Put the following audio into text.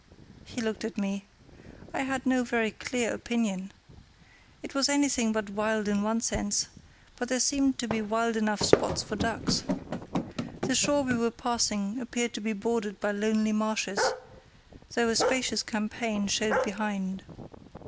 He looked at me. I had no very clear opinion. It was anything but wild in one sense, but there seemed to be wild enough spots for ducks. The shore we were passing appeared to be bordered by lonely marshes, though a spacious champaign showed behind.